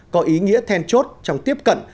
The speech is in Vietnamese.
có ý nghĩa then chốt trong tiếp cận